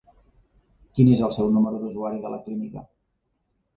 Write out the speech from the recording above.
Quin és el seu número d'usuari de la clínica?